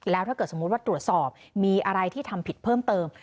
แล้วถ้าเกิดสมมุติว่าตรวจสอบมีอะไรที่ทำผิดเพิ่มเติม